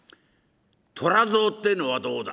虎造っていうのはどうだ」。